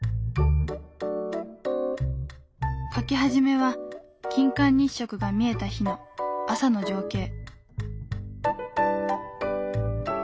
書き始めは金環日食が見えた日の朝の情景。